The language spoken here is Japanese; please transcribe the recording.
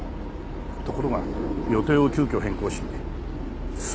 ところが予定を急きょ変更し寸